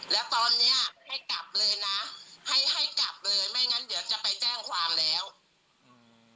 แล้วตอนนี้ให้กลับเลยนะ